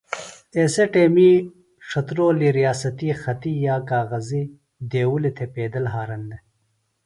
ایسےۡ ٹیمی ڇھترولی ریاستی خطی یا کاغذی دیوُلی تھے پیدل ہارن دےۡ